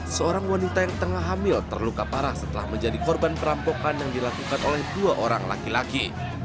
seorang wanita yang tengah hamil terluka parah setelah menjadi korban perampokan yang dilakukan oleh dua orang laki laki